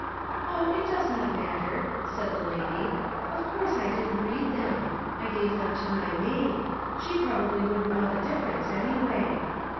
"Oh, it does not matter," said the lady; "of course I didn't read them. I gave them to my maid. She probably wouldn't know the difference, anyway."